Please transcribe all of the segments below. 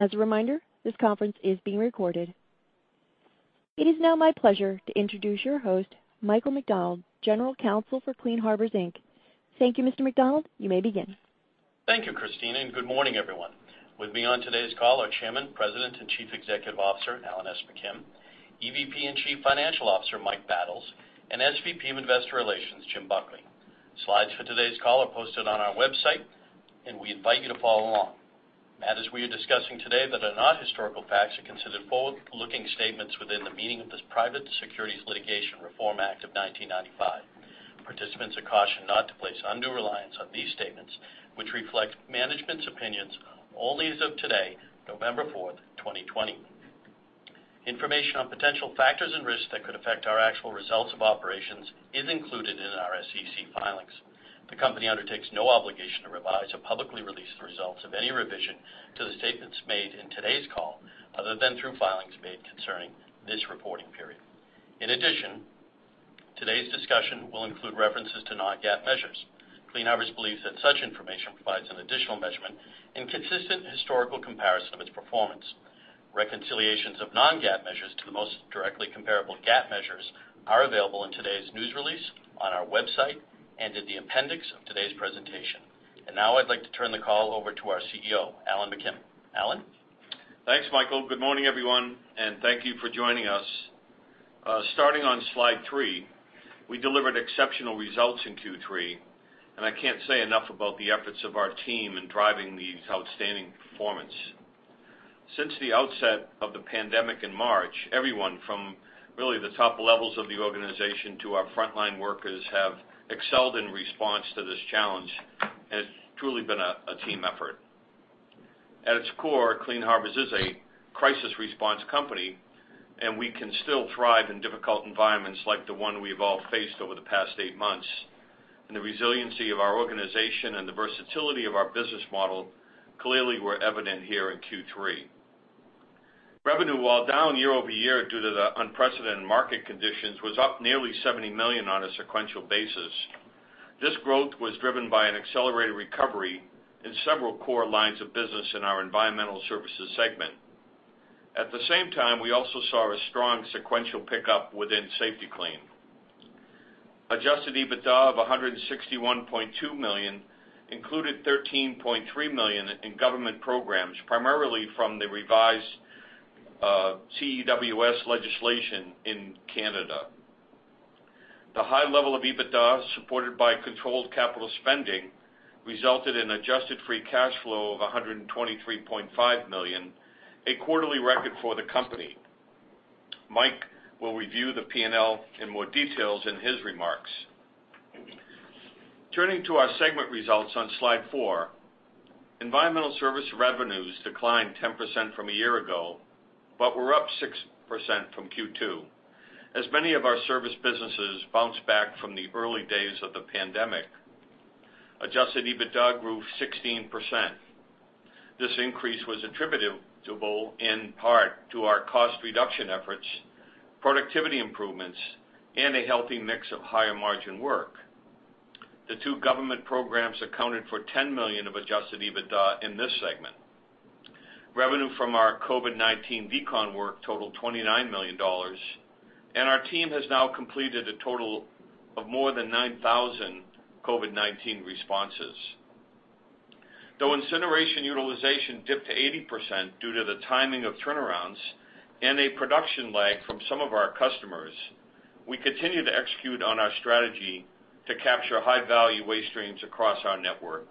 As a reminder, this conference is being recorded. It is now my pleasure to introduce your host, Michael McDonald, General Counsel for Clean Harbors, Inc. Thank you, Mr. McDonald. You may begin. Thank you, Christine, and good morning, everyone. With me on today's call are Chairman, President, and Chief Executive Officer, Alan S. McKim, Executive Vice President and Chief Financial Officer, Mike Battles, and Senior Vice President of Investor Relations, Jim Buckley. Slides for today's call are posted on our website, and we invite you to follow along. Matters we are discussing today that are not historical facts are considered forward-looking statements within the meaning of the Private Securities Litigation Reform Act of 1995. Participants are cautioned not to place undue reliance on these statements, which reflect management's opinions only as of today, November fourth, 2020. Information on potential factors and risks that could affect our actual results of operations is included in our SEC filings. The company undertakes no obligation to revise or publicly release the results of any revision to the statements made in today's call, other than through filings made concerning this reporting period. In addition, today's discussion will include references to non-GAAP measures. Clean Harbors believes that such information provides an additional measurement and consistent historical comparison of its performance. Reconciliations of non-GAAP measures to the most directly comparable GAAP measures are available in today's news release, on our website, and in the appendix of today's presentation. Now I'd like to turn the call over to our CEO, Alan McKim. Alan? Thanks, Michael. Good morning, everyone, and thank you for joining us. Starting on slide three, we delivered exceptional results in Q3, and I can't say enough about the efforts of our team in driving the outstanding performance. Since the outset of the pandemic in March, everyone from really the top levels of the organization to our frontline workers have excelled in response to this challenge, and it's truly been a team effort. At its core, Clean Harbors is a crisis response company, and we can still thrive in difficult environments like the one we've all faced over the past eight months, and the resiliency of our organization and the versatility of our business model clearly were evident here in Q3. Revenue, while down year-over-year due to the unprecedented market conditions, was up nearly $70 million on a sequential basis. This growth was driven by an accelerated recovery in several core lines of business in our Environmental Services segment. At the same time, we also saw a strong sequential pickup within Safety-Kleen. Adjusted EBITDA of $161.2 million included $13.3 million in government programs, primarily from the revised CEWS legislation in Canada. The high level of EBITDA, supported by controlled capital spending, resulted in adjusted free cash flow of $123.5 million, a quarterly record for the company. Mike will review the P&L in more details in his remarks. Turning to our segment results on slide four, Environmental Services revenues declined 10% from a year ago, but were up 6% from Q2, as many of our service businesses bounced back from the early days of the pandemic. Adjusted EBITDA grew 16%. This increase was attributable in part to our cost reduction efforts, productivity improvements, and a healthy mix of higher margin work. The two government programs accounted for $10 million of adjusted EBITDA in this segment. Revenue from our COVID-19 DECON work totaled $29 million, and our team has now completed a total of more than 9,000 COVID-19 responses. Though incineration utilization dipped to 80% due to the timing of turnarounds and a production lag from some of our customers, we continue to execute on our strategy to capture high-value waste streams across our network.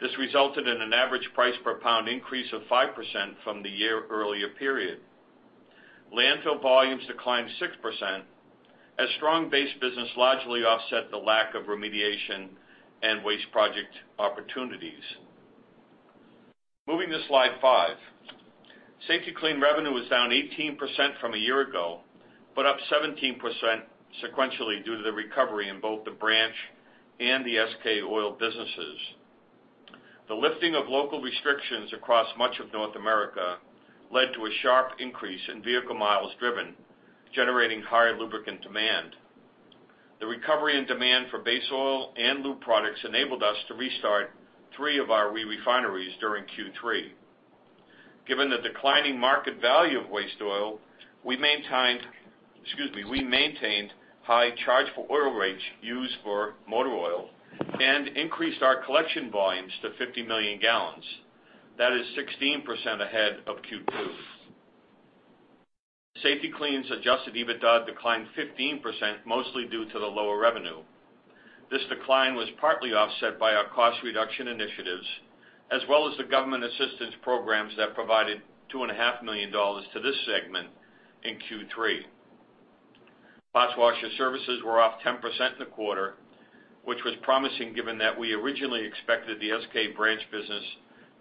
This resulted in an average price per pound increase of 5% from the year-earlier period. Landfill volumes declined 6%, as strong base business largely offset the lack of remediation and waste project opportunities. Moving to slide five. Safety-Kleen revenue was down 18% from a year ago, but up 17% sequentially due to the recovery in both the branch and the SK Oil businesses. The lifting of local restrictions across much of North America led to a sharp increase in vehicle miles driven, generating higher lubricant demand. The recovery and demand for base oil and lube products enabled us to restart three of our refineries during Q3. Given the declining market value of waste oil, we maintained high charge for oil rates used for motor oil and increased our collection volumes to 50 million gallons. That is 16% ahead of Q2. Safety-Kleen's adjusted EBITDA declined 15%, mostly due to the lower revenue. This decline was partly offset by our cost reduction initiatives, as well as the government assistance programs that provided $2.5 million to this segment in Q3. Parts washer services were off 10% in the quarter, which was promising given that we originally expected the SK branch business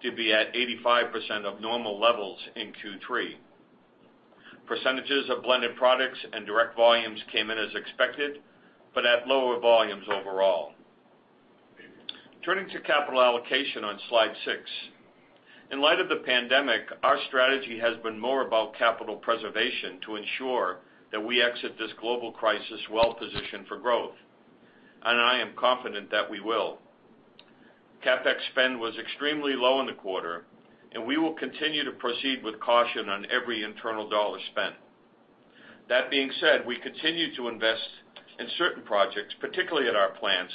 to be at 85% of normal levels in Q3. Percentages of blended products and direct volumes came in as expected, but at lower volumes overall. Turning to capital allocation on slide six. In light of the pandemic, our strategy has been more about capital preservation to ensure that we exit this global crisis well-positioned for growth. I am confident that we will. CapEx spend was extremely low in the quarter, and we will continue to proceed with caution on every internal dollar spent. That being said, we continue to invest in certain projects, particularly at our plants,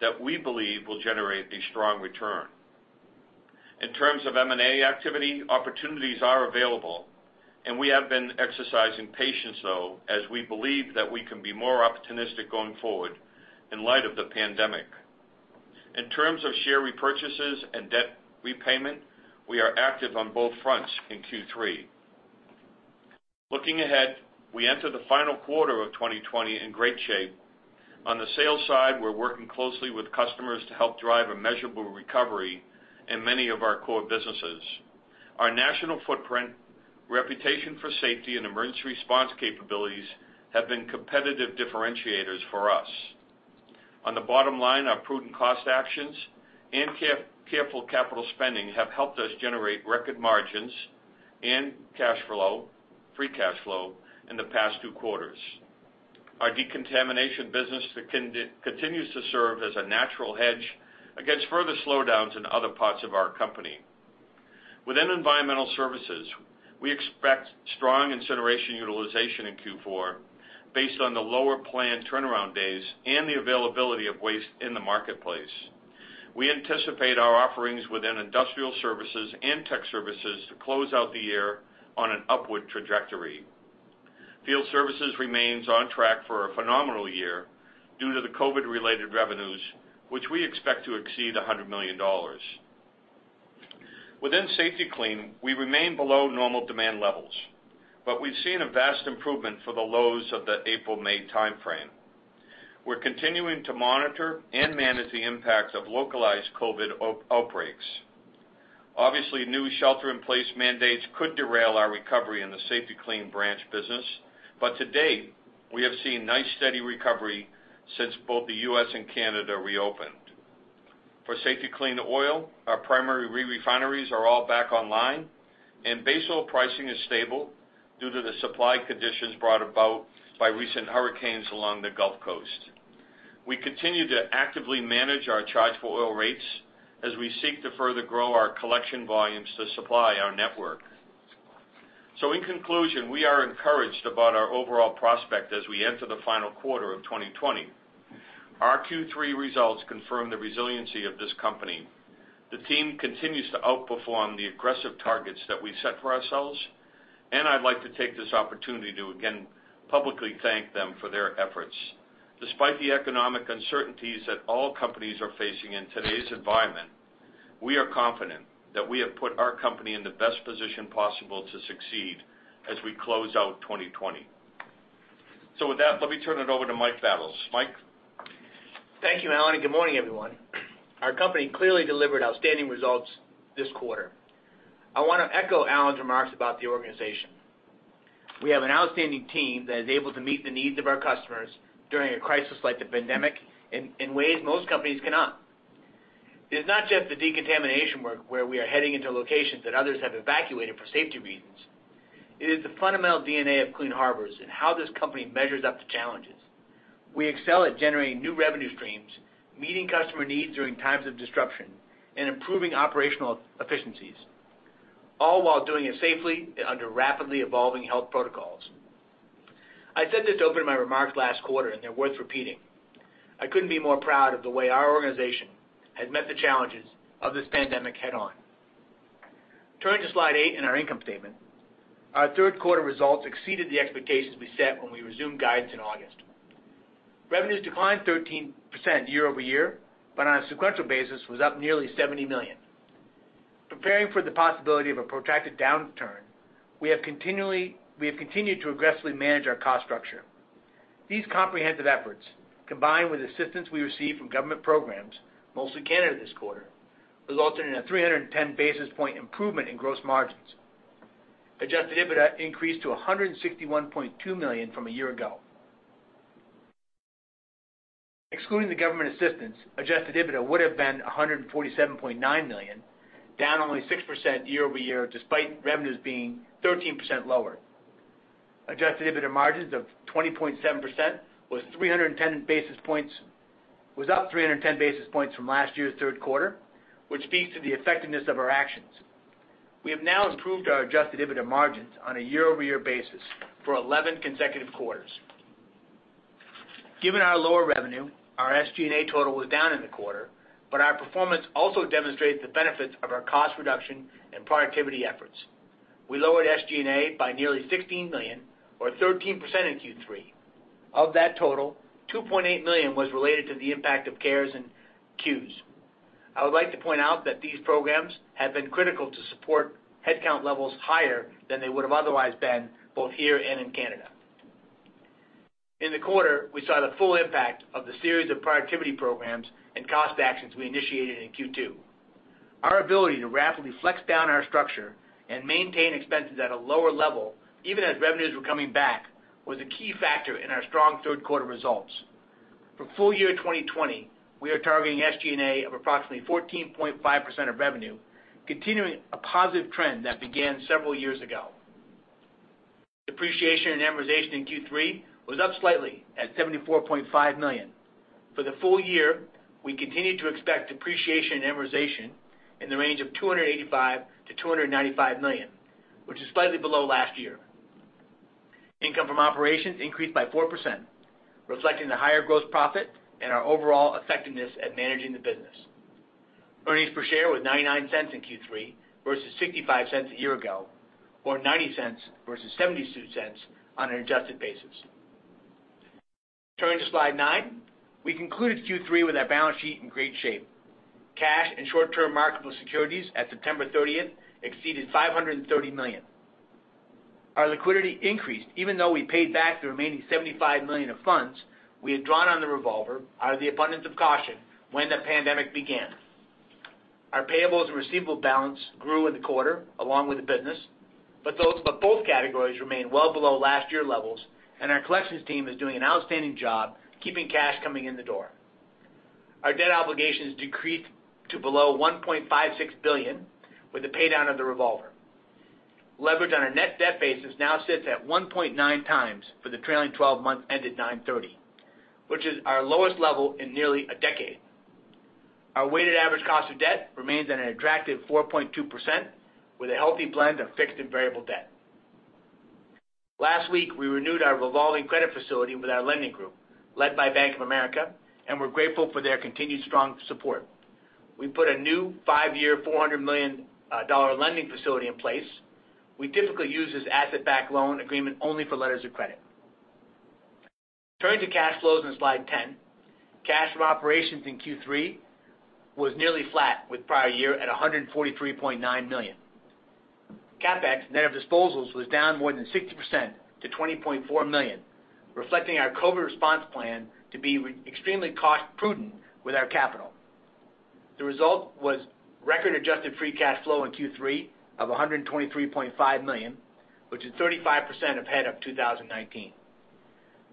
that we believe will generate a strong return. In terms of M&A activity, opportunities are available, and we have been exercising patience, though, as we believe that we can be more opportunistic going forward in light of the pandemic. In terms of share repurchases and debt repayment, we are active on both fronts in Q3. Looking ahead, we enter the final quarter of 2020 in great shape. On the sales side, we're working closely with customers to help drive a measurable recovery in many of our core businesses. Our national footprint, reputation for safety, and emergency response capabilities have been competitive differentiators for us. On the bottom line, our prudent cost actions and careful capital spending have helped us generate record margins and free cash flow in the past two quarters. Our Decontamination business continues to serve as a natural hedge against further slowdowns in other parts of our company. Within Environmental Services, we expect strong incineration utilization in Q4 based on the lower planned turnaround days and the availability of waste in the marketplace. We anticipate our offerings within Industrial Services and Tech Services to close out the year on an upward trajectory. Field Services remains on track for a phenomenal year due to the COVID-related revenues, which we expect to exceed $100 million. Within Safety-Kleen, we remain below normal demand levels, but we've seen a vast improvement for the lows of the April, May timeframe. We're continuing to monitor and manage the impact of localized COVID outbreaks. Obviously, new shelter-in-place mandates could derail our recovery in the Safety-Kleen branch business. To date, we have seen nice, steady recovery since both the U.S. and Canada reopened. For Safety-Kleen Oil, our primary refineries are all back online, and base oil pricing is stable due to the supply conditions brought about by recent hurricanes along the Gulf Coast. We continue to actively manage our charge-for-oil rates as we seek to further grow our collection volumes to supply our network. In conclusion, we are encouraged about our overall prospect as we enter the final quarter of 2020. Our Q3 results confirm the resiliency of this company. The team continues to outperform the aggressive targets that we set for ourselves, and I'd like to take this opportunity to again publicly thank them for their efforts. Despite the economic uncertainties that all companies are facing in today's environment, we are confident that we have put our company in the best position possible to succeed as we close out 2020. With that, let me turn it over to Mike Battles. Mike? Thank you, Alan, and good morning, everyone. Our company clearly delivered outstanding results this quarter. I want to echo Alan's remarks about the organization. We have an outstanding team that is able to meet the needs of our customers during a crisis like the pandemic in ways most companies cannot. It's not just the decontamination work where we are heading into locations that others have evacuated for safety reasons. It is the fundamental DNA of Clean Harbors and how this company measures up to challenges. We excel at generating new revenue streams, meeting customer needs during times of disruption, and improving operational efficiencies, all while doing it safely under rapidly evolving health protocols. I said this to open my remarks last quarter, and they're worth repeating. I couldn't be more proud of the way our organization has met the challenges of this pandemic head-on. Turning to Slide eight and our income statement, our third quarter results exceeded the expectations we set when we resumed guidance in August. Revenues declined 13% year-over-year. On a sequential basis was up nearly $70 million. Preparing for the possibility of a protracted downturn, we have continued to aggressively manage our cost structure. These comprehensive efforts, combined with assistance we received from government programs, mostly Canada this quarter, resulted in a 310-basis-point improvement in gross margins. Adjusted EBITDA increased to $161.2 million from a year ago. Excluding the government assistance, Adjusted EBITDA would've been $147.9 million, down only 6% year-over-year despite revenues being 13% lower. Adjusted EBITDA margins of 20.7% was up 310 basis points from last year's third quarter, which speaks to the effectiveness of our actions. We have now improved our Adjusted EBITDA margins on a year-over-year basis for 11 consecutive quarters. Given our lower revenue, our SG&A total was down in the quarter, but our performance also demonstrated the benefits of our cost reduction and productivity efforts. We lowered SG&A by nearly $16 million or 13% in Q3. Of that total, $2.8 million was related to the impact of CARES and CEWS. I would like to point out that these programs have been critical to support headcount levels higher than they would've otherwise been, both here and in Canada. In the quarter, we saw the full impact of the series of productivity programs and cost actions we initiated in Q2. Our ability to rapidly flex down our structure and maintain expenses at a lower level, even as revenues were coming back, was a key factor in our strong third quarter results. For full year 2020, we are targeting SG&A of approximately 14.5% of revenue, continuing a positive trend that began several years ago. Depreciation and amortization in Q3 was up slightly at $74.5 million. For the full year, we continue to expect depreciation and amortization in the range of $285 million-$295 million, which is slightly below last year. Income from operations increased by 4%, reflecting the higher gross profit and our overall effectiveness at managing the business. Earnings per share was $0.99 in Q3 versus $0.65 a year ago, or $0.90 versus $0.72 on an adjusted basis. Turning to slide nine, we concluded Q3 with our balance sheet in great shape. Cash and short-term marketable securities at September 30th exceeded $530 million. Our liquidity increased, even though we paid back the remaining $75 million of funds we had drawn on the revolver out of the abundance of caution when the pandemic began. Our payables and receivable balance grew in the quarter along with the business. Both categories remain well below last year levels, and our collections team is doing an outstanding job keeping cash coming in the door. Our debt obligations decreased to below $1.56 billion with the pay down of the revolver. Leverage on a net debt basis now sits at 1.9x for the trailing 12 months ended 9/30, which is our lowest level in nearly a decade. Our weighted average cost of debt remains at an attractive 4.2% with a healthy blend of fixed and variable debt. Last week, we renewed our revolving credit facility with our lending group led by Bank of America, and we're grateful for their continued strong support. We put a new five-year, $400 million lending facility in place. We typically use this asset-backed loan agreement only for letters of credit. Turning to cash flows on slide 10. Cash from operations in Q3 was nearly flat with prior year at $143.9 million. CapEx net of disposals was down more than 60% to $20.4 million, reflecting our COVID response plan to be extremely cost-prudent with our capital. The result was record adjusted free cash flow in Q3 of $123.5 million, which is 35% ahead of 2019.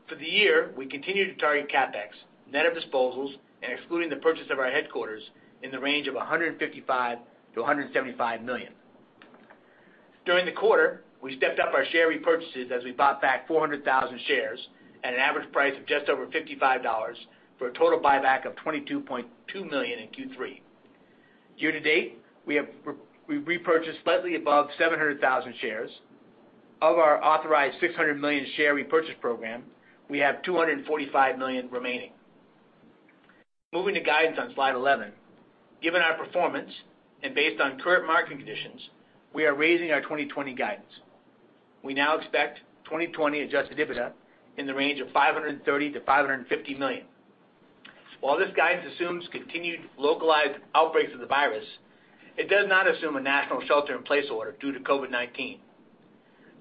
For the year, we continue to target CapEx net of disposals and excluding the purchase of our headquarters in the range of $155 million-$175 million. During the quarter, we stepped up our share repurchases as we bought back 400,000 shares at an average price of just over $55 for a total buyback of $22.2 million in Q3. Year to date, we've repurchased slightly above 700,000 shares. Of our authorized $600 million share repurchase program, we have $245 million remaining. Moving to guidance on slide 11. Given our performance and based on current market conditions, we are raising our 2020 guidance. We now expect 2020 adjusted EBITDA in the range of $530 million-$550 million. While this guidance assumes continued localized outbreaks of the virus, it does not assume a national shelter-in-place order due to COVID-19.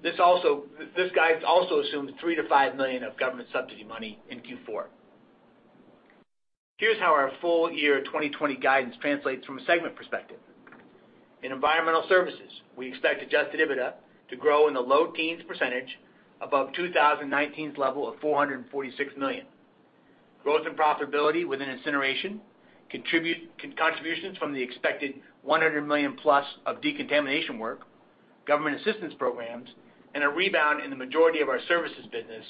This guidance also assumes $3 million-$5 million of government subsidy money in Q4. Here's how our full year 2020 guidance translates from a segment perspective. In environmental services, we expect adjusted EBITDA to grow in the low teens percentage above 2019's level of $446 million. Growth and profitability within incineration, contributions from the expected $100 million plus of decontamination work, government assistance programs, and a rebound in the majority of our services business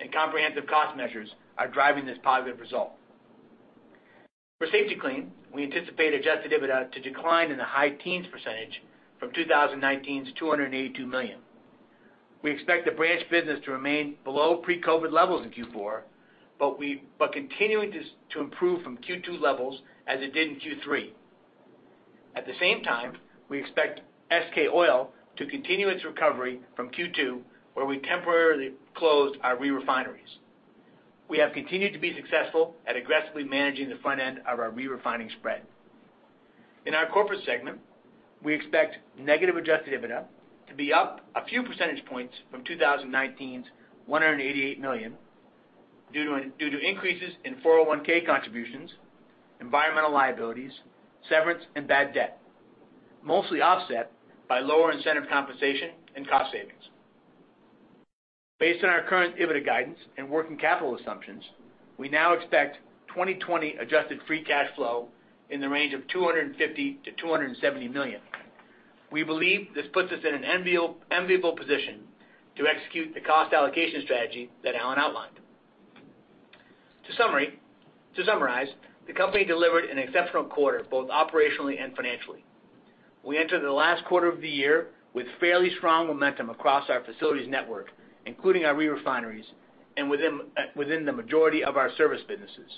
and comprehensive cost measures are driving this positive result. For Safety-Kleen, we anticipate adjusted EBITDA to decline in the high teens percentage from 2019's $282 million. We expect the branch business to remain below pre-COVID levels in Q4, but continuing to improve from Q2 levels as it did in Q3. At the same time, we expect SK Oil to continue its recovery from Q2, where we temporarily closed our re-refineries. We have continued to be successful at aggressively managing the front end of our re-refining spread. In our corporate segment, we expect negative adjusted EBITDA to be up a few percentage points from 2019's $188 million due to increases in 401(k) contributions, environmental liabilities, severance, and bad debt, mostly offset by lower incentive compensation and cost savings. Based on our current EBITDA guidance and working capital assumptions, we now expect 2020 adjusted free cash flow in the range of $250 million-$270 million. We believe this puts us in an enviable position to execute the cost allocation strategy that Alan outlined. To summarize, the company delivered an exceptional quarter, both operationally and financially. We entered the last quarter of the year with fairly strong momentum across our facilities network, including our re-refineries and within the majority of our service businesses.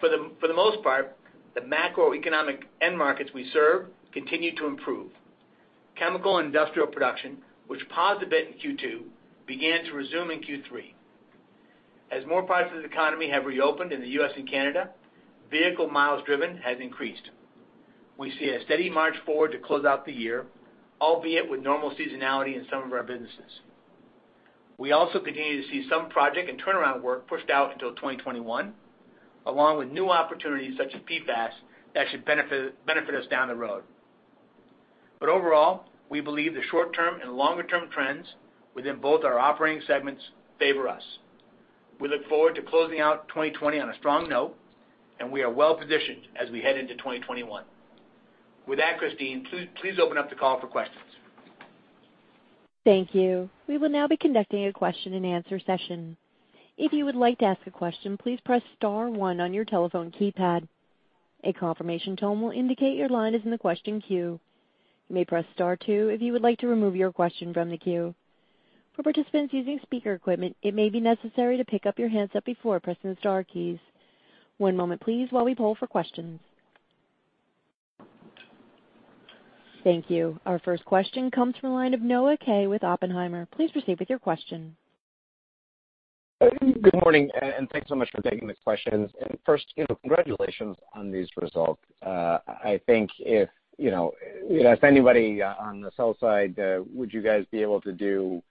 For the most part, the macroeconomic end markets we serve continue to improve. Chemical and industrial production, which paused a bit in Q2, began to resume in Q3. As more parts of the economy have reopened in the U.S. and Canada, vehicle miles driven has increased. We see a steady march forward to close out the year, albeit with normal seasonality in some of our businesses. We also continue to see some project and turnaround work pushed out until 2021, along with new opportunities such as PFAS that should benefit us down the road. Overall, we believe the short-term and longer-term trends within both our operating segments favor us. We look forward to closing out 2020 on a strong note, and we are well-positioned as we head into 2021. With that, Christine, please open up the call for questions. Our first question comes from the line of Noah Kaye with Oppenheimer. Please proceed with your question. Good morning, thanks so much for taking the questions. First, congratulations on these results. I think if you ask anybody on the sell side, would you guys be able to do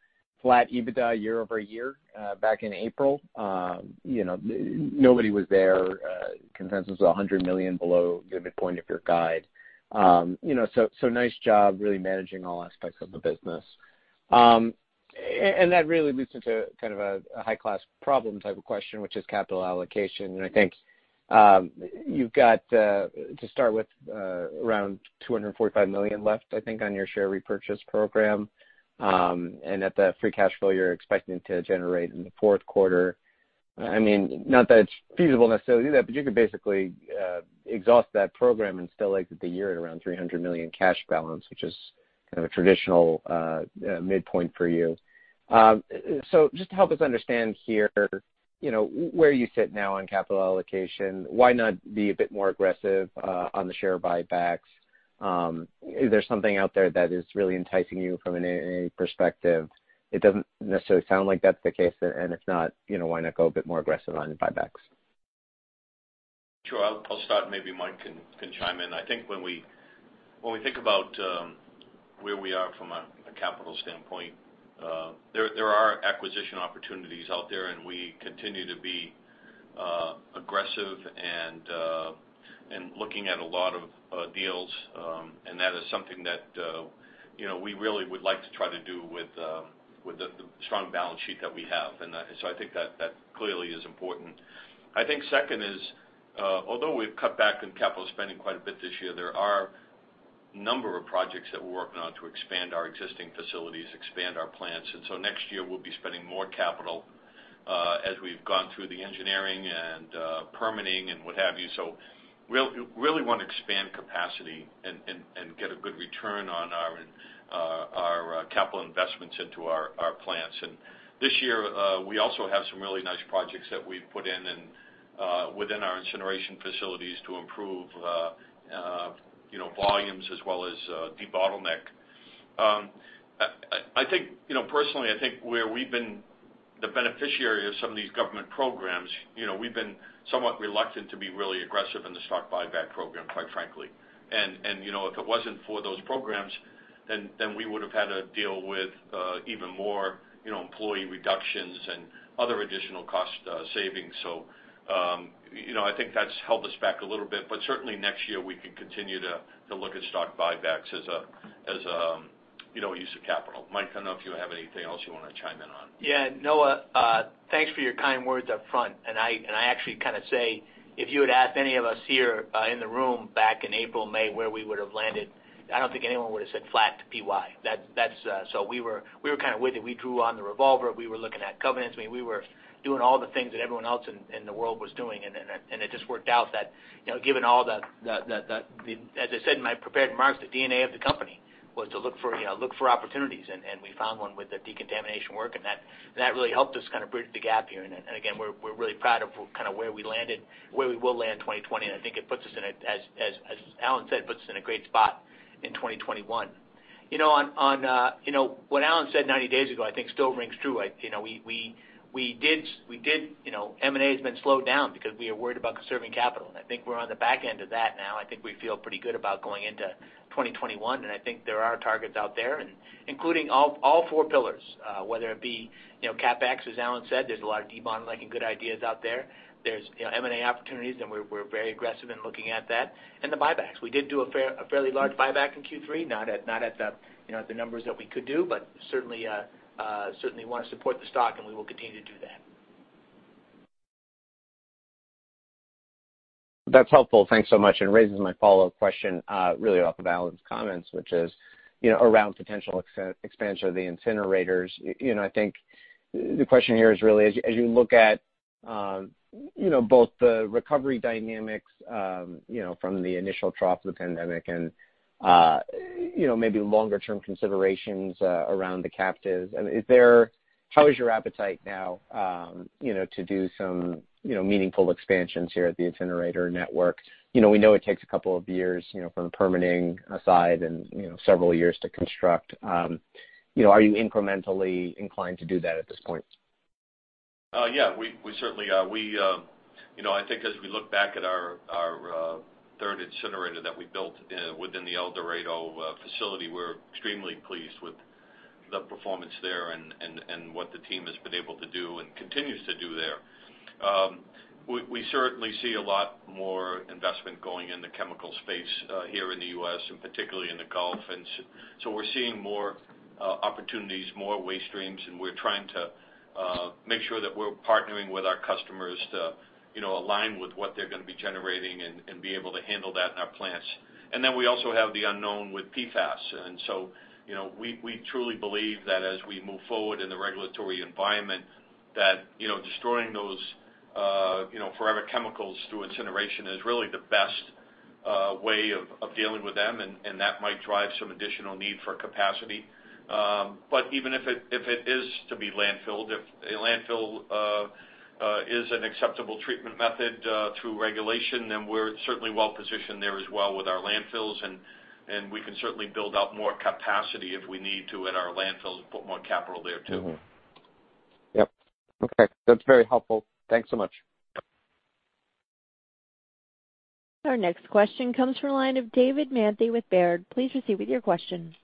flat EBITDA year-over-year back in April? Nobody was there. Consensus was $100 million below the midpoint of your guide. Nice job really managing all aspects of the business. That really leads into kind of a high-class problem type of question, which is capital allocation. I think you've got to start with around $245 million left, I think, on your share repurchase program. At the free cash flow you're expecting to generate in the fourth quarter, not that it's feasible necessarily to do that, but you could basically exhaust that program and still exit the year at around $300 million cash balance, which is kind of a traditional midpoint for you. Just to help us understand here, where you sit now on capital allocation, why not be a bit more aggressive on the share buybacks? Is there something out there that is really enticing you from an M&A perspective? It doesn't necessarily sound like that's the case, and if not, why not go a bit more aggressive on the buybacks? Sure. I'll start, maybe Mike can chime in. I think when we think about where we are from a capital standpoint, there are acquisition opportunities out there, we continue to be aggressive and looking at a lot of deals. That is something that we really would like to try to do with the strong balance sheet that we have. I think that clearly is important. I think second is, although we've cut back on capital spending quite a bit this year, there are a number of projects that we're working on to expand our existing facilities, expand our plants. Next year, we'll be spending more capital as we've gone through the engineering and permitting and what have you. We really want to expand capacity and get a good return on our capital investments into our plants. This year, we also have some really nice projects that we've put in within our incineration facilities to improve volumes as well as debottleneck. Personally, I think where we've been the beneficiary of some of these government programs, we've been somewhat reluctant to be really aggressive in the stock buyback program, quite frankly. If it wasn't for those programs, then we would have had to deal with even more employee reductions and other additional cost savings. I think that's held us back a little bit, but certainly next year, we can continue to look at stock buybacks as a use of capital. Mike, I don't know if you have anything else you want to chime in on. Yeah. Noah, thanks for your kind words up front. I actually kind of say, if you had asked any of us here in the room back in April, May, where we would have landed, I don't think anyone would have said flat to PY. We were kind of with it. We drew on the revolver. We were looking at covenants. We were doing all the things that everyone else in the world was doing. It just worked out that As I said in my prepared remarks, the DNA of the company was to look for opportunities and we found one with the decontamination work and that really helped us kind of bridge the gap here. Again, we're really proud of where we landed, where we will land 2020. I think it puts us in a, as Alan said, puts us in a great spot in 2021. What Alan said 90 days ago I think still rings true. M&A has been slowed down because we are worried about conserving capital, and I think we're on the back end of that now. I think we feel pretty good about going into 2021. I think there are targets out there and including all four pillars, whether it be CapEx, as Alan said, there's a lot of debottlenecking good ideas out there. There's M&A opportunities and we're very aggressive in looking at that. The buybacks. We did do a fairly large buyback in Q3. Not at the numbers that we could do, but certainly want to support the stock and we will continue to do that. That's helpful. Thanks so much. Raises my follow-up question really off of Alan's comments, which is around potential expansion of the incinerators. I think the question here is really as you look at both the recovery dynamics from the initial trough of the pandemic and maybe longer-term considerations around the captives. How is your appetite now to do some meaningful expansions here at the incinerator network? We know it takes a couple of years from the permitting aside and several years to construct. Are you incrementally inclined to do that at this point? Yeah. We certainly are. I think as we look back at our third incinerator that we built within the El Dorado facility, we're extremely pleased with the performance there and what the team has been able to do and continues to do there. We certainly see a lot more investment going in the chemical space here in the U.S. and particularly in the Gulf. We're seeing more opportunities, more waste streams, and we're trying to make sure that we're partnering with our customers to align with what they're going to be generating and be able to handle that in our plants. We also have the unknown with PFAS. We truly believe that as we move forward in the regulatory environment, that destroying those forever chemicals through incineration is really the best way of dealing with them, and that might drive some additional need for capacity. Even if it is to be landfilled, if a landfill is an acceptable treatment method through regulation, then we're certainly well-positioned there as well with our landfills, and we can certainly build out more capacity if we need to at our landfills and put more capital there, too. Yep. Okay. That's very helpful. Thanks so much. Our next question comes from the line of David Manthey with Baird. Please proceed with your questions.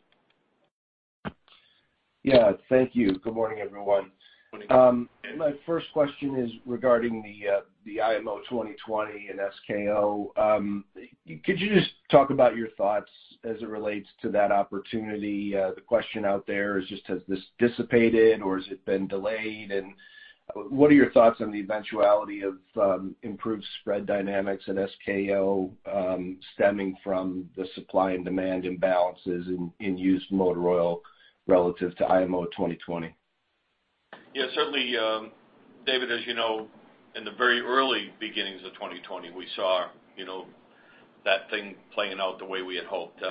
Yeah. Thank you. Good morning, everyone. Good morning. My first question is regarding the IMO 2020 and SKO. Could you just talk about your thoughts as it relates to that opportunity? The question out there is just, has this dissipated, or has it been delayed? What are your thoughts on the eventuality of improved spread dynamics in SKO stemming from the supply and demand imbalances in used motor oil relative to IMO 2020? Yeah, certainly, David, as you know, in the very early beginnings of 2020, we saw that thing playing out the way we had hoped.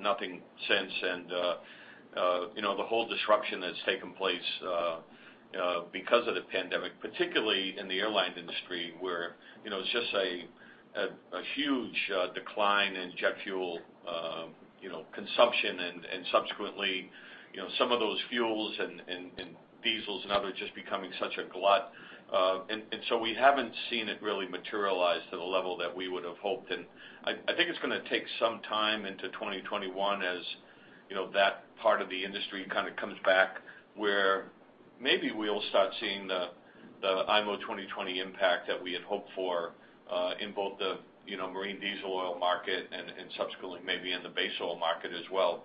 Nothing since, and the whole disruption that's taken place because of the pandemic, particularly in the airline industry, where it's just a huge decline in jet fuel consumption and subsequently, some of those fuels and diesels and others just becoming such a glut. We haven't seen it really materialize to the level that we would've hoped, and I think it's going to take some time into 2021 as that part of the industry kind of comes back where maybe we'll start seeing the IMO 2020 impact that we had hoped for in both the marine diesel oil market and subsequently, maybe in the base oil market as well.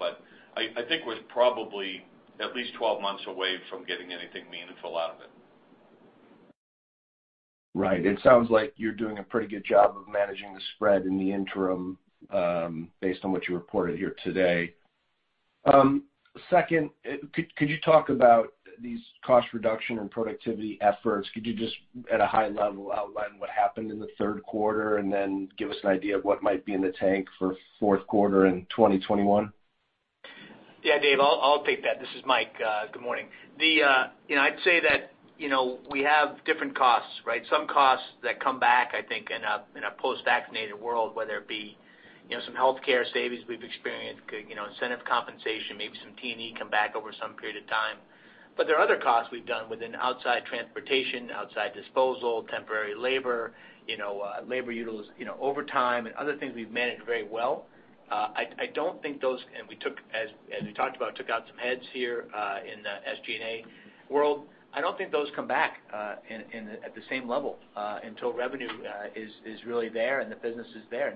I think we're probably at least 12 months away from getting anything meaningful out of it. Right. It sounds like you're doing a pretty good job of managing the spread in the interim based on what you reported here today. Second, could you talk about these cost reduction and productivity efforts? Could you just at a high level outline what happened in the third quarter, and then give us an idea of what might be in the tank for fourth quarter in 2021? Yeah, Dave. I'll take that. This is Mike. Good morning. I'd say that we have different costs, right? Some costs that come back, I think, in a post-vaccinated world, whether it be some healthcare savings we've experienced, incentive compensation, maybe some P&L come back over some period of time. There are other costs we've done within outside transportation, outside disposal, temporary labor, overtime, and other things we've managed very well. As we talked about, took out some heads here in the SG&A world. I don't think those come back at the same level until revenue is really there and the business is there.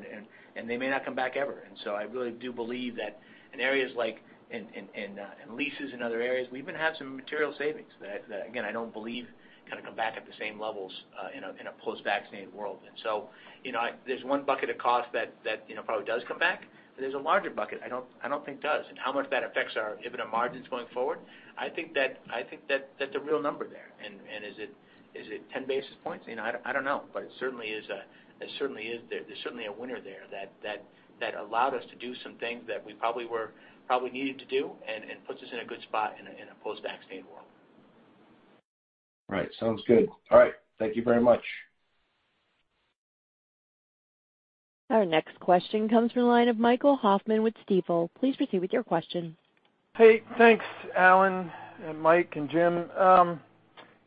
They may not come back ever. I really do believe that in areas like in leases and other areas, we even have some material savings that, again, I don't believe kind of come back at the same levels in a post-vaccinated world. There's one bucket of cost that probably does come back, but there's a larger bucket I don't think does. How much that affects our EBITDA margins going forward, I think that's a real number there. Is it 10 basis points? I don't know, but there's certainly a winner there that allowed us to do some things that we probably needed to do and puts us in a good spot in a post-vaccinated world. Right. Sounds good. All right. Thank you very much. Our next question comes from the line of Michael Hoffman with Stifel. Please proceed with your question. Hey, thanks, Alan and Mike and Jim.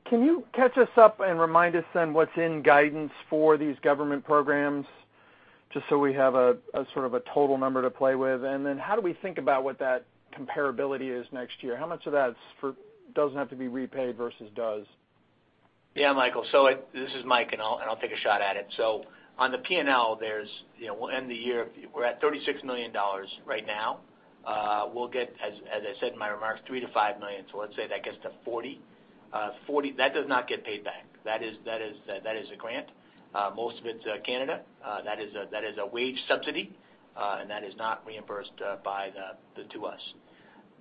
Can you catch us up and remind us then what's in guidance for these government programs, just so we have a sort of a total number to play with? How do we think about what that comparability is next year? How much of that doesn't have to be repaid versus does? Yeah, Michael. This is Mike, and I'll take a shot at it. On the P&L, we'll end the year. We're at $36 million right now. We'll get, as I said in my remarks, $3 million to $5 million, let's say that gets to $40 million. $40 million, that does not get paid back. That is a grant. Most of it's Canada. That is a wage subsidy, and that is not reimbursed to us.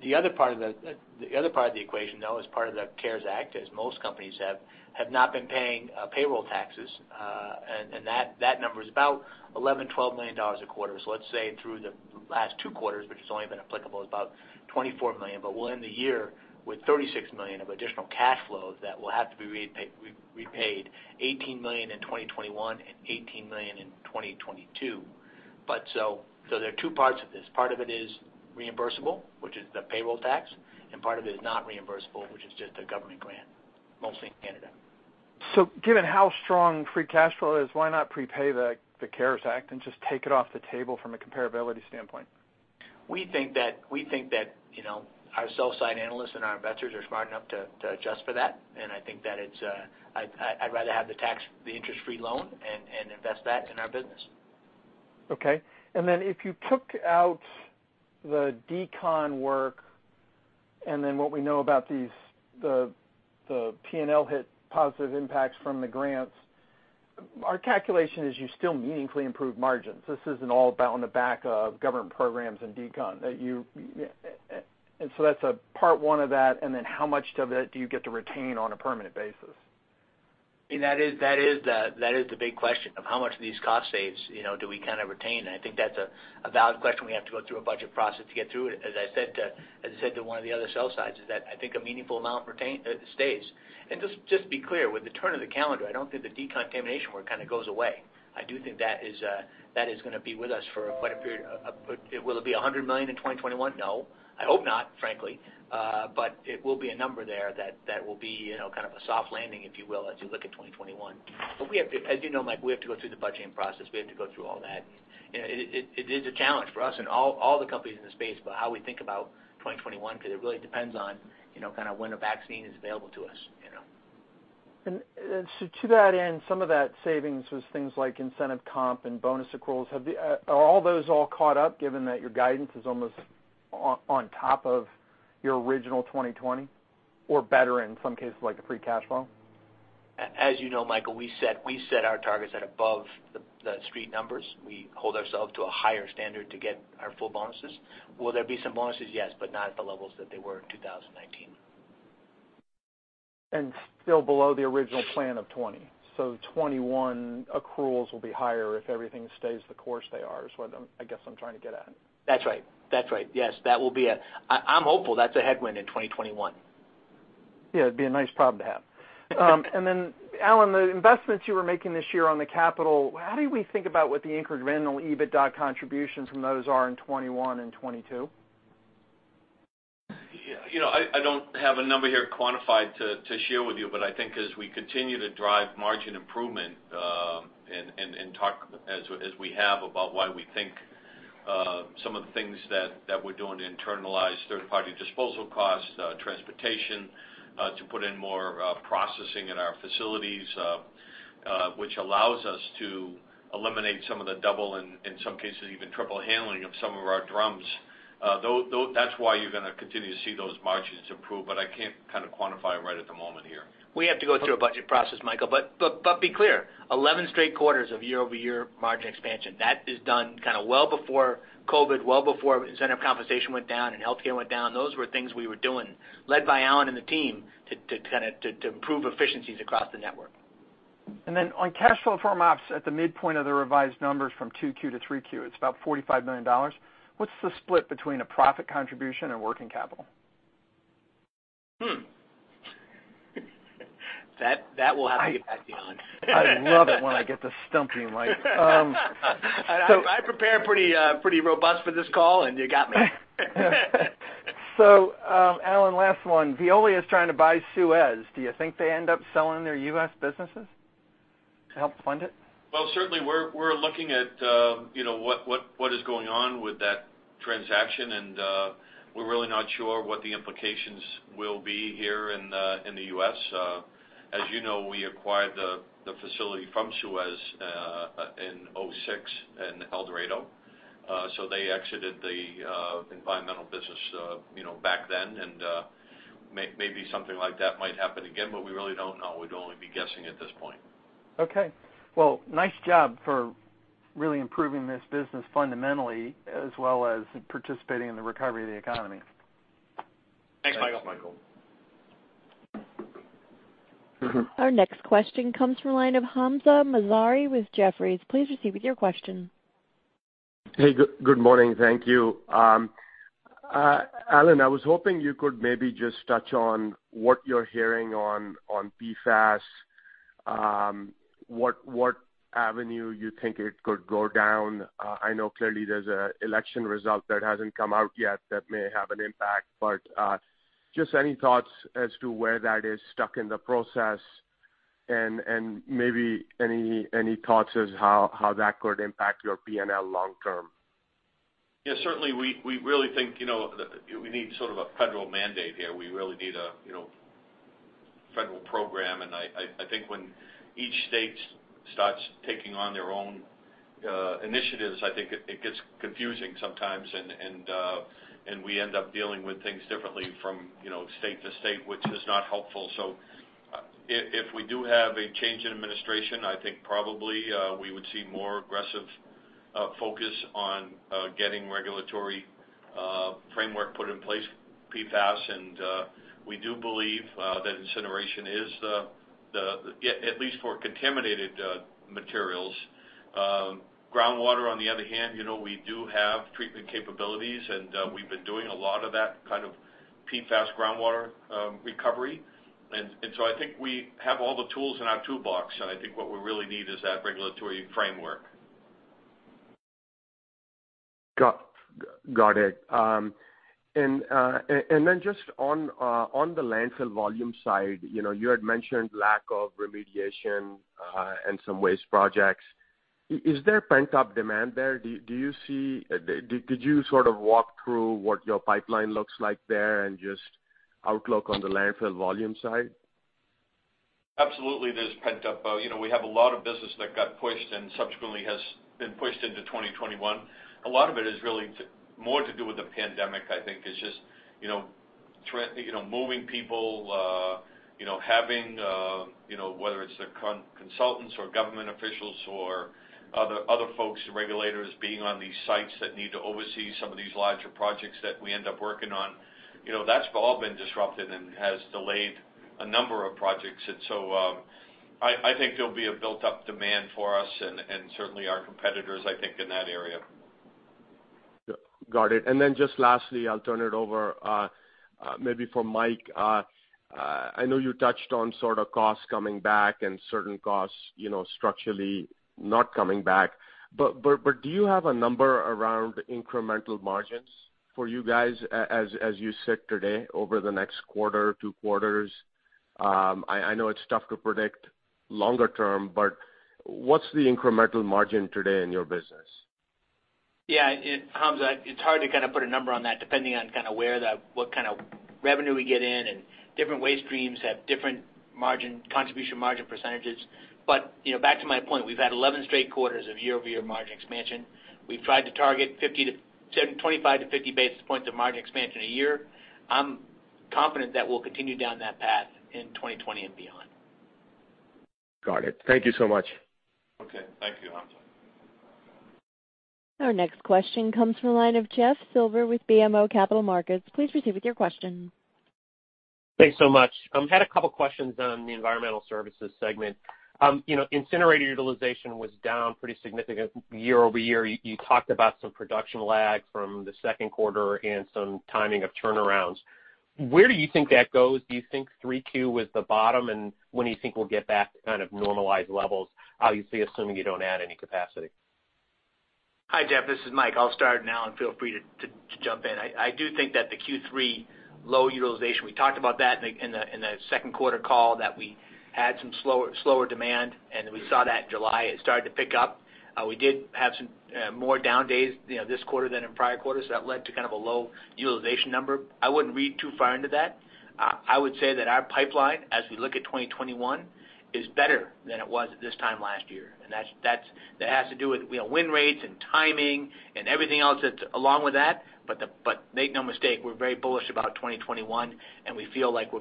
The other part of the equation, though, is part of the CARES Act, as most companies have not been paying payroll taxes. That number is about $11 million-$12 million a quarter. Let's say through the last two quarters, which has only been applicable, is about $24 million, but we'll end the year with $36 million of additional cash flow that will have to be repaid $18 million in 2021 and $18 million in 2022. There are two parts of this. Part of it is reimbursable, which is the payroll tax, and part of it is not reimbursable, which is just a government grant, mostly in Canada. Given how strong free cash flow is, why not prepay the CARES Act and just take it off the table from a comparability standpoint? We think that our sell side analysts and our investors are smart enough to adjust for that, and I think that I'd rather have the interest-free loan and invest that in our business. Okay. Then if you took out the DECON work. Then what we know about the P&L hit positive impacts from the grants. Our calculation is you still meaningfully improve margins. This isn't all on the back of government programs and DECON. That's a part one of that, and then how much of it do you get to retain on a permanent basis? That is the big question, of how much of these cost saves, do we retain? I think that's a valid question. We have to go through a budget process to get through it. As I said to one of the other sell sides, is that I think a meaningful amount stays. Just be clear, with the turn of the calendar, I don't think the decontamination work kind of goes away. I do think that is going to be with us for quite a period. Will it be $100 million in 2021? No. I hope not, frankly. It will be a number there that will be kind of a soft landing, if you will, as you look at 2021. As you know, Mike, we have to go through the budgeting process. We have to go through all that. It is a challenge for us and all the companies in this space about how we think about 2021, because it really depends on when a vaccine is available to us. To that end, some of that savings was things like incentive comp and bonus accruals. Are all those all caught up given that your guidance is almost on top of your original 2020, or better in some cases, like the free cash flow? As you know, Michael, we set our targets at above the street numbers. We hold ourselves to a higher standard to get our full bonuses. Will there be some bonuses? Yes, but not at the levels that they were in 2019. Still below the original plan of 2020. 2021 accruals will be higher if everything stays the course they are, is what I guess I'm trying to get at. That's right. Yes. I'm hopeful that's a headwind in 2021. Yeah, it'd be a nice problem to have. Alan, the investments you were making this year on the capital, how do we think about what the incremental EBITDA contributions from those are in 2021 and 2022? I don't have a number here quantified to share with you, but I think as we continue to drive margin improvement, and talk as we have about why we think some of the things that we're doing to internalize third-party disposal costs, transportation, to put in more processing in our facilities, which allows us to eliminate some of the double, and in some cases, even triple handling of some of our drums. That's why you're going to continue to see those margins improve, but I can't kind of quantify it right at the moment here. We have to go through a budget process, Michael. Be clear, 11 straight quarters of year-over-year margin expansion. That is done kind of well before COVID-19, well before incentive compensation went down and healthcare went down. Those were things we were doing, led by Alan and the team, to improve efficiencies across the network. Then on cash flow from ops at the midpoint of the revised numbers from 2Q to 3Q, it's about $45 million. What's the split between a profit contribution and working capital? That will have to get back to you, Alan. I love it when I get to stump you, Mike. I prepared pretty robust for this call, and you got me. Alan, last one. Veolia is trying to buy Suez. Do you think they end up selling their U.S. businesses to help fund it? Certainly, we're looking at what is going on with that transaction, and we're really not sure what the implications will be here in the U.S. As you know, we acquired the facility from Suez in 2006 in El Dorado. They exited the environmental business back then, maybe something like that might happen again, we really don't know. We'd only be guessing at this point. Okay. Well, nice job for really improving this business fundamentally, as well as participating in the recovery of the economy. Thanks, Michael. Thanks, Michael. Our next question comes from the line of Hamzah Mazari with Jefferies. Please proceed with your question. Hey, good morning. Thank you. Alan, I was hoping you could maybe just touch on what you're hearing on PFAS, what avenue you think it could go down. I know clearly there's an election result that hasn't come out yet that may have an impact, but just any thoughts as to where that is stuck in the process and maybe any thoughts as how that could impact your P&L long term? Yeah, certainly, we really think we need sort of a federal mandate here. We really need a federal program, and I think when each state starts taking on their own initiatives, I think it gets confusing sometimes, and we end up dealing with things differently from state to state, which is not helpful. If we do have a change in administration, I think probably, we would see more aggressive focus on getting regulatory framework put in place, PFAS, and we do believe that incineration is the. At least for contaminated materials. Groundwater, on the other hand, we do have treatment capabilities, and we've been doing a lot of that kind of PFAS groundwater recovery. I think we have all the tools in our toolbox, and I think what we really need is that regulatory framework. Got it. Just on the landfill volume side, you had mentioned lack of remediation, and some waste projects. Is there pent-up demand there? Could you sort of walk through what your pipeline looks like there and just outlook on the landfill volume side? Absolutely, there's pent-up. We have a lot of business that got pushed and subsequently has been pushed into 2021. A lot of it is really more to do with the pandemic, I think. It's just moving people, having whether it's the consultants or government officials or other folks, regulators being on these sites that need to oversee some of these larger projects that we end up working on. That's all been disrupted and has delayed a number of projects. I think there'll be a built-up demand for us and certainly our competitors, I think, in that area. Got it. Just lastly, I'll turn it over, maybe for Mike. I know you touched on sort of costs coming back and certain costs structurally not coming back, do you have a number around incremental margins for you guys as you sit today over the next quarter, two quarters? I know it's tough to predict longer term, what's the incremental margin today in your business? Yeah. Hamzah, it's hard to kind of put a number on that, depending on what kind of revenue we get in, and different waste streams have different contribution margin percentage. Back to my point, we've had 11 straight quarters of year-over-year margin expansion. We've tried to target 25 to 50 basis points of margin expansion a year. I'm confident that we'll continue down that path in 2020 and beyond. Got it. Thank you so much. Okay. Thank you, Hamzah. Our next question comes from the line of Jeff Silber with BMO Capital Markets. Please proceed with your question. Thanks so much. I had a couple questions on the Environmental Services segment. Incinerator utilization was down pretty significant year-over-year. You talked about some production lags from the second quarter and some timing of turnarounds. Where do you think that goes? Do you think 3Q was the bottom, and when do you think we'll get back to kind of normalized levels, obviously, assuming you don't add any capacity? Hi, Jeff, this is Mike. I'll start, and Alan, feel free to jump in. I do think that the Q3 low utilization, we talked about that in the second quarter call, that we had some slower demand, and then we saw that in July, it started to pick up. We did have some more down days this quarter than in prior quarters that led to kind of a low utilization number. I wouldn't read too far into that. I would say that our pipeline, as we look at 2021, is better than it was at this time last year. That has to do with win rates and timing and everything else that's along with that. Make no mistake, we're very bullish about 2021, and we feel like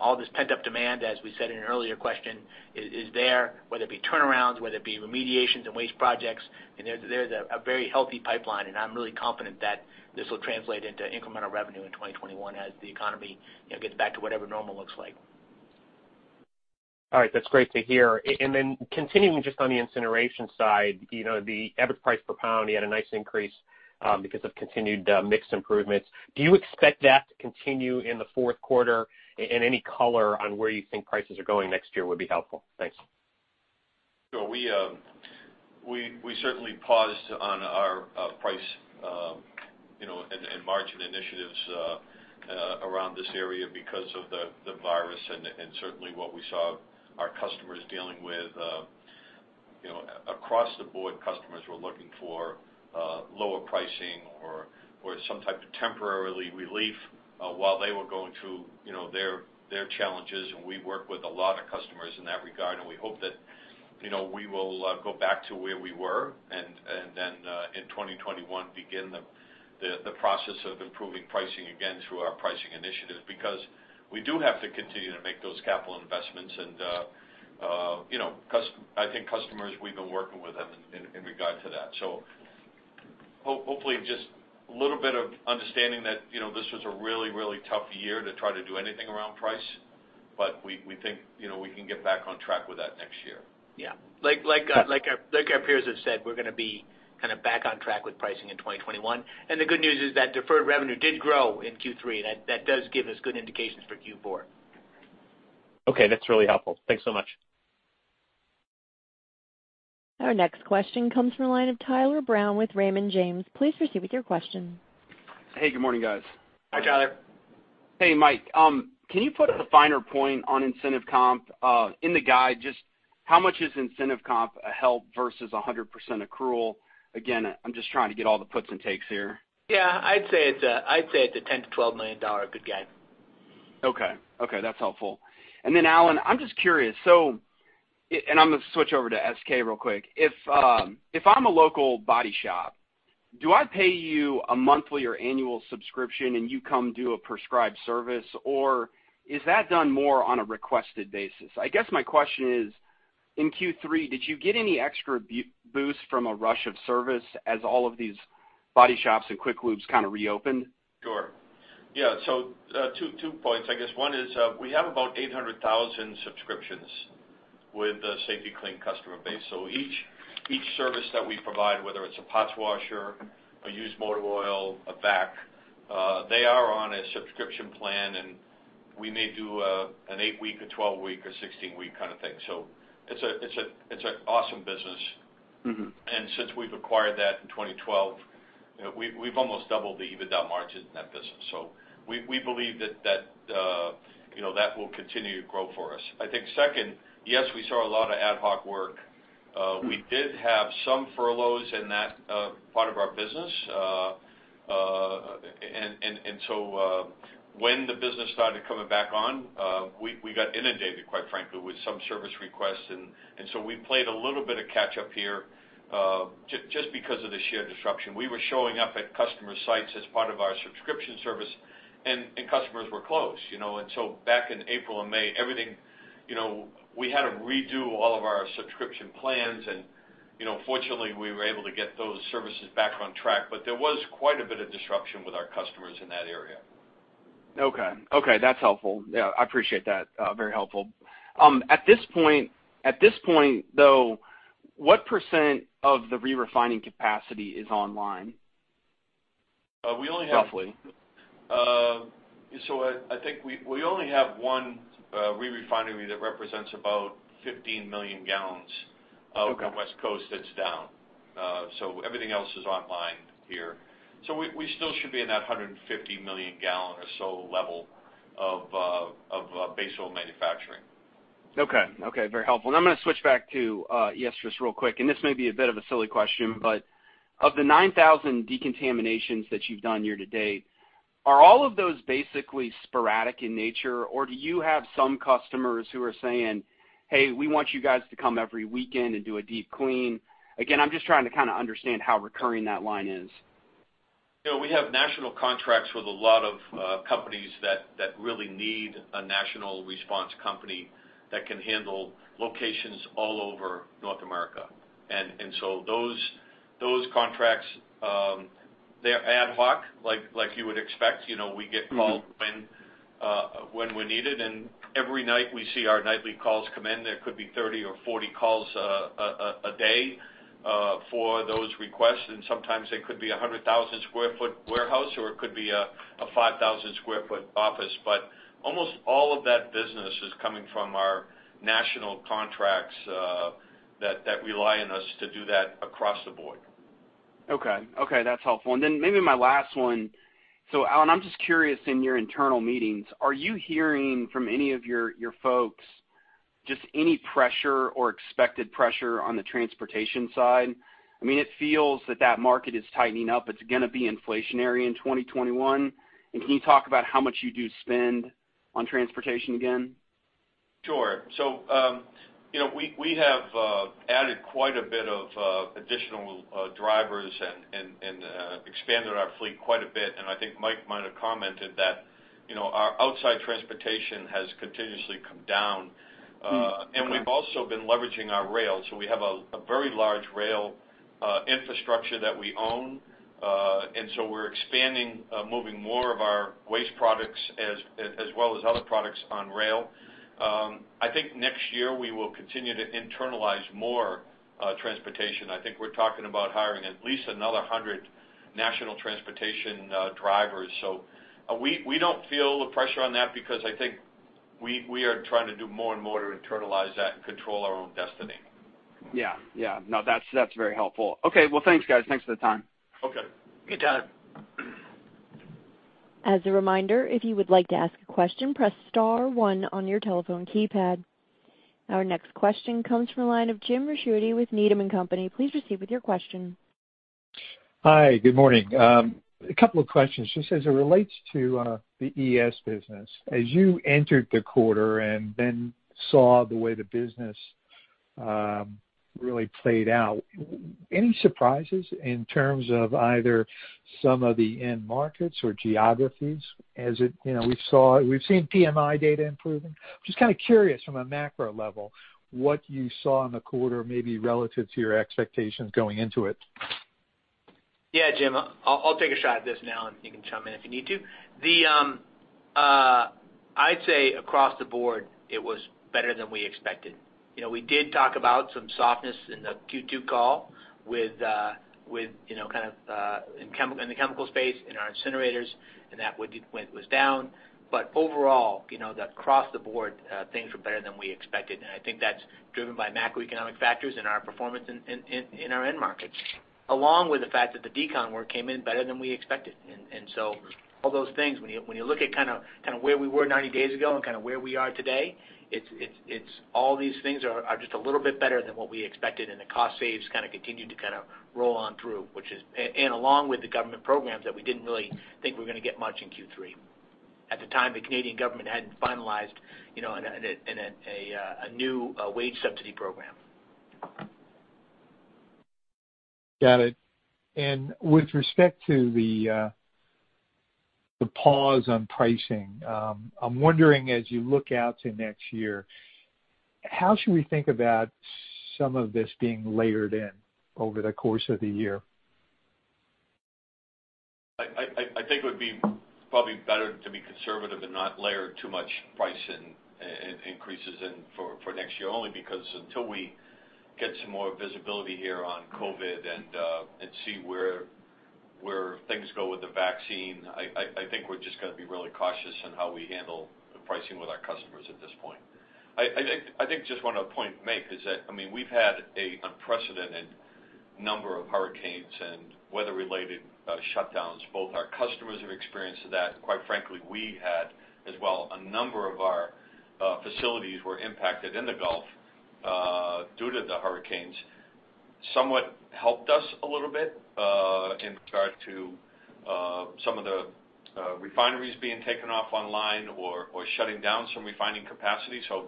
all this pent-up demand, as we said in an earlier question, is there, whether it be turnarounds, whether it be remediations and waste projects. There's a very healthy pipeline, and I'm really confident that this will translate into incremental revenue in 2021 as the economy gets back to whatever normal looks like. All right. That's great to hear. Continuing just on the incineration side, the average price per pound, you had a nice increase because of continued mix improvements. Do you expect that to continue in the fourth quarter? Any color on where you think prices are going next year would be helpful. Thanks. Sure. We certainly paused on our price and margin initiatives around this area because of the virus and certainly what we saw our customers dealing with. Across the board, customers were looking for lower pricing or some type of temporary relief while they were going through their challenges, and we work with a lot of customers in that regard. We hope that we will go back to where we were and then in 2021, begin the process of improving pricing again through our pricing initiatives. We do have to continue to make those capital investments, and I think customers, we've been working with them in regard to that. Hopefully, just a little bit of understanding that this was a really tough year to try to do anything around price. We think we can get back on track with that next year. Yeah. Like our peers have said, we're going to be kind of back on track with pricing in 2021. The good news is that deferred revenue did grow in Q3, and that does give us good indications for Q4. Okay, that's really helpful. Thanks so much. Our next question comes from the line of Tyler Brown with Raymond James. Please proceed with your question. Hey, good morning, guys. Hi, Tyler. Hey, Mike. Can you put a finer point on incentive comp in the guide? Just how much is incentive comp held versus 100% accrual? Again, I'm just trying to get all the puts and takes here. Yeah, I'd say it's a $10 million-$12 million good guide. Okay. That's helpful. Alan, I'm just curious. I'm going to switch over to SK real quick. If I'm a local body shop, do I pay you a monthly or annual subscription and you come do a prescribed service, or is that done more on a requested basis? I guess my question is, in Q3, did you get any extra boost from a rush of service as all of these body shops and quick lubes kind of reopened? Sure. Yeah. Two points, I guess. One is, we have about 800,000 subscriptions with the Safety-Kleen customer base. Each service that we provide, whether it's a Parts washer, a used motor oil, a vac, they are on a subscription plan, and we may do an eight-week, a 12-week, or 16-week kind of thing. It's an awesome business. Since we've acquired that in 2012, we've almost doubled the EBITDA margin in that business. We believe that will continue to grow for us. I think second, yes, we saw a lot of ad hoc work. We did have some furloughs in that part of our business. When the business started coming back on, we got inundated, quite frankly, with some service requests. We played a little bit of catch-up here just because of the sheer disruption. We were showing up at customer sites as part of our subscription service, and customers were closed. Back in April and May, we had to redo all of our subscription plans, and fortunately, we were able to get those services back on track. There was quite a bit of disruption with our customers in that area. Okay. That's helpful. Yeah, I appreciate that. Very helpful. At this point, though, what percent of the re-refining capacity is online? We only have- Roughly. I think we only have one re-refinery that represents about 15 million gallons. Okay. Out on the West Coast that's down. Everything else is online here. We still should be in that 150 million gallon or so level of base oil manufacturing. Okay. Very helpful. I'm going to switch back to ES just real quick, and this may be a bit of a silly question, but of the 9,000 decontaminations that you've done year to date, are all of those basically sporadic in nature, or do you have some customers who are saying, "Hey, we want you guys to come every weekend and do a deep clean"? Again, I'm just trying to understand how recurring that line is. We have national contracts with a lot of companies that really need a national response company that can handle locations all over North America. Those contracts, they're ad hoc, like you would expect. We get called when we're needed, and every night we see our nightly calls come in. There could be 30 or 40 calls a day for those requests, and sometimes they could be a 100,000 square foot warehouse, or it could be a 5,000 square foot office. Almost all of that business is coming from our national contracts that rely on us to do that across the board. Okay. That's helpful. Then maybe my last one. Alan, I'm just curious, in your internal meetings, are you hearing from any of your folks just any pressure or expected pressure on the transportation side? It feels that that market is tightening up. It's going to be inflationary in 2021. Can you talk about how much you do spend on transportation again? Sure. We have added quite a bit of additional drivers and expanded our fleet quite a bit. I think Mike might have commented that our outside transportation has continuously come down. Okay. We've also been leveraging our rail, so we have a very large rail infrastructure that we own. We're expanding, moving more of our waste products as well as other products on rail. I think next year we will continue to internalize more transportation. I think we're talking about hiring at least another 100 national transportation drivers. We don't feel the pressure on that because I think we are trying to do more and more to internalize that and control our own destiny. Yeah. No, that's very helpful. Okay. Well, thanks, guys. Thanks for the time. Okay. Good to have you. As a reminder, if you would like to ask a question, press star one on your telephone keypad. Our next question comes from the line of James Ricchiuti with Needham & Company. Please proceed with your question. Hi. Good morning. A couple of questions. Just as it relates to the ES business, as you entered the quarter and then saw the way the business really played out, any surprises in terms of either some of the end markets or geographies? We've seen PMI data improving. Kind of curious from a macro level what you saw in the quarter, maybe relative to your expectations going into it. Yeah, Jim. I'll take a shot at this, Alan, you can chime in if you need to. I'd say across the board, it was better than we expected. We did talk about some softness in the Q2 call in the chemical space, in our incinerators, and that was down. Overall, across the board, things were better than we expected, and I think that's driven by macroeconomic factors and our performance in our end markets, along with the fact that the DECON work came in better than we expected. All those things, when you look at where we were 90 days ago and where we are today, all these things are just a little bit better than what we expected, and the cost saves continued to roll on through. Along with the government programs that we didn't really think were going to get much in Q3. At the time, the Canadian government hadn't finalized a new wage subsidy program. Got it. With respect to the pause on pricing, I'm wondering as you look out to next year, how should we think about some of this being layered in over the course of the year? I think it would be probably better to be conservative and not layer too much price increases in for next year, only because until we get some more visibility here on COVID-19 and see where things go with the vaccine, I think we're just going to be really cautious on how we handle the pricing with our customers at this point. I think just one other point to make is that we've had an unprecedented number of hurricanes and weather-related shutdowns. Both our customers have experienced that, and quite frankly, we had as well. A number of our facilities were impacted in the Gulf due to the hurricanes. Somewhat helped us a little bit in regard to some of the refineries being taken off online or shutting down some refining capacity. To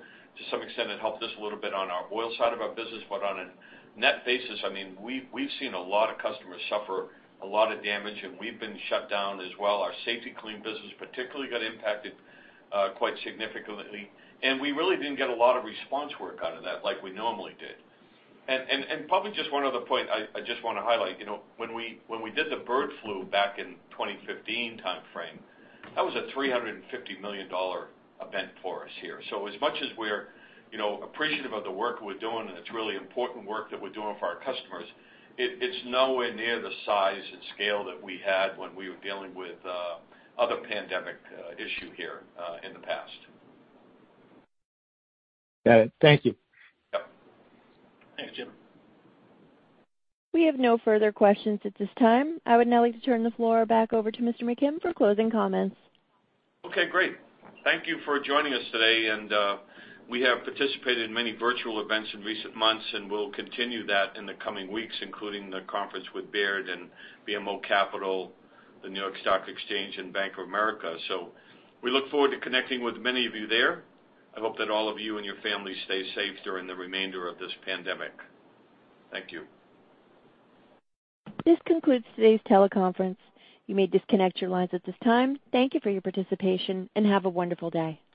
some extent, it helped us a little bit on our oil side of our business, but on a net basis, we've seen a lot of customers suffer a lot of damage, and we've been shut down as well. Our Safety-Kleen business particularly got impacted quite significantly, and we really didn't get a lot of response work out of that like we normally did. Probably just one other point I just want to highlight. When we did the bird flu back in 2015 timeframe, that was a $350 million event for us here. As much as we're appreciative of the work we're doing, and it's really important work that we're doing for our customers, it's nowhere near the size and scale that we had when we were dealing with other pandemic issue here in the past. Got it. Thank you. Yep. Thanks, Jim. We have no further questions at this time. I would now like to turn the floor back over to Mr. McKim for closing comments. Okay, great. Thank you for joining us today, and we have participated in many virtual events in recent months, and we'll continue that in the coming weeks, including the conference with Baird and BMO Capital, the New York Stock Exchange, and Bank of America. We look forward to connecting with many of you there. I hope that all of you and your families stay safe during the remainder of this pandemic. Thank you. This concludes today's teleconference. You may disconnect your lines at this time. Thank you for your participation, and have a wonderful day.